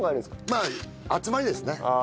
まあ集まりですね。